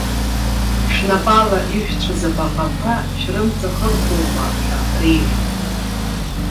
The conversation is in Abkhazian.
Шәнапала ишәцәыз абаҟақәа шәрымҵахырхәоума?- ҳәа реиҳәеит.